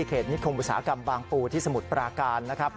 นิคมอุตสาหกรรมบางปูที่สมุทรปราการนะครับ